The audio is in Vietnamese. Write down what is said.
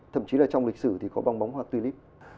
thậm chí là trong lịch sử thì có bong bóng hoặc tùy lý